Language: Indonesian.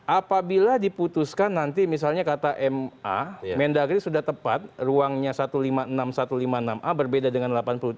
apabila diputuskan nanti misalnya kata ma mendagri sudah tepat ruangnya satu ratus lima puluh enam satu ratus lima puluh enam a berbeda dengan delapan puluh tiga